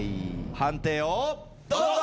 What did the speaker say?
判定をどうぞ！